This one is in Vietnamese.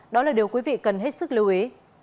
đó là điều quý vị cần hết sức lưu ý